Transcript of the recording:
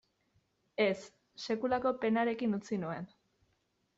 Ez, sekulako penarekin utzi nuen.